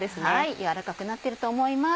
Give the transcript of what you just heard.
軟らかくなってると思います。